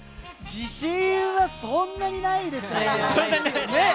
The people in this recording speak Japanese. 自信は、そんなにないですね。